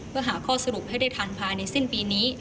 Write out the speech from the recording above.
เพื่อหาข้อสรุปให้ได้ทันภายในสิ้นปีนี้